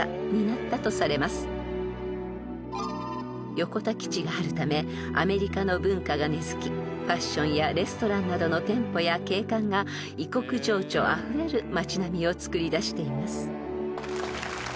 ［横田基地があるためアメリカの文化が根付きファッションやレストランなどの店舗や景観が異国情緒あふれる街並みをつくりだしています］